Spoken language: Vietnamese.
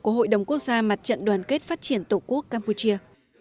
của hội đồng quốc gia mặt trận đoàn kết phát triển tổ quốc campuchia